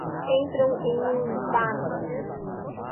entram em um impasse